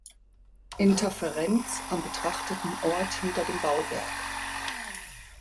Interferenz am betrachteten Ort hinter dem Bauwerk.